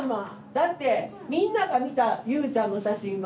だってみんなが見たゆうちゃんの写真は？